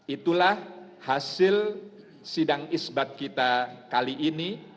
itulah hasil sidang isbat kita kali ini